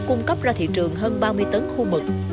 cung cấp ra thị trường hơn ba mươi tấn khu vực